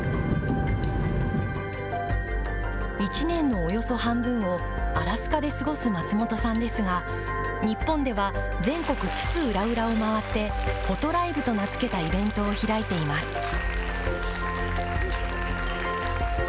１年のおよそ半分をアラスカで過ごす松本さんですが、日本では全国津々浦々を回ってフォトライブと名付けたイベントを開いています。